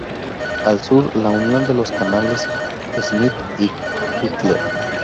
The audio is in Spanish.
Al sur: la unión de los canales Smyth y Cutler.